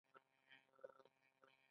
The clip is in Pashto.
د ونو کینول څه ګټه لري؟